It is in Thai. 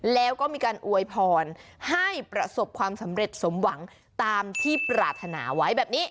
แล้วก็มีการอวยพรให้ประสบความสำเร็จสมหวังตามที่ปรารถนาไว้แบบนี้